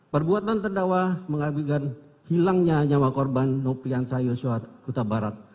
perbuatan terdakwa mengakibkan hilangnya nyawa korban noprian sayo soehut kota barat